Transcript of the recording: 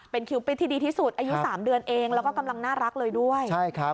เป็นคิวปิดที่ดีที่สุดอายุ๓เดือนตามกำลังน่ารักเลยด้วย